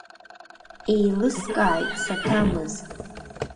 Еилыскааит, саҭамыз.